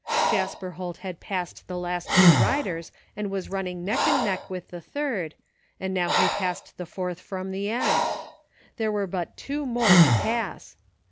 Jasper Holt had passed the last two riders and was running neck and neck with the third, and now he passed the fourth from the end. There were but two more to pass.